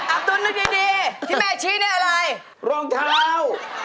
ตุ๋นนึกดีที่แม่ชี้เนี่ยอะไรรองเท้า